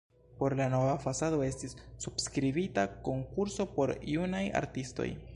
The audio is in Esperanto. Por la nova fasado estis subskribita konkurso por junaj artistoj.